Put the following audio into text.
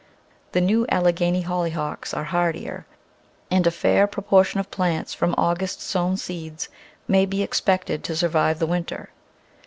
The new Alleghany Hollyhocks are hardier, and a fair proportion of plants from August sown seeds may be expected to survive the winter.